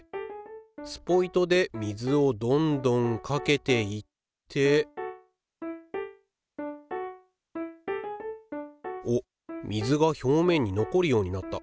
スポイトで水をどんどんかけていっておっ水が表面に残るようになった。